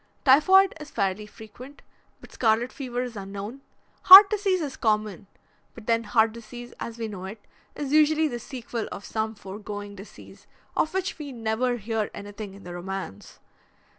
Typhoid is fairly frequent, but scarlet fever is unknown. Heart disease is common, but then heart disease, as we know it, is usually the sequel of some foregoing disease, of which we never hear anything in the romance.